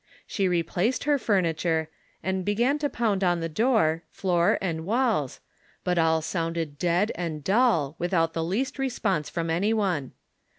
She replaced her furniture, and began to pound on tlie floor, door and walls, but all sounded dead and dull, without the least response from any one.